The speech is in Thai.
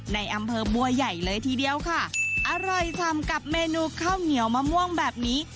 ในอำเภอบัวใหญ่เลยทีเดียวค่ะอร่อยสำกับเมนูข้าวเหนียวมะม่วงแบบนี้